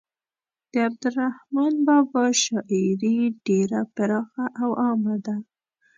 د عبدالرحمان بابا شاعري ډیره پراخه او عامه ده.